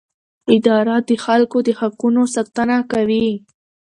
اداره د خلکو د حقونو ساتنه کوي.